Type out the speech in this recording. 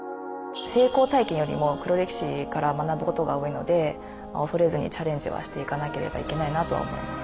成功体験よりも黒歴史から学ぶことが多いので恐れずにチャレンジはしていかなければいけないなとは思います。